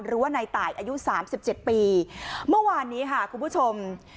หรือว่าในตายอายุสามสิบเจ็ดปีเมื่อวานนี้ค่ะคุณผู้ชม